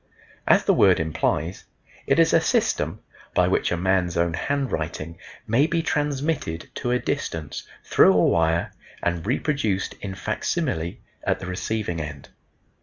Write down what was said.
As the word implies, it is a system by which a man's own handwriting may be transmitted to a distance through a wire and reproduced in facsimile at the receiving end.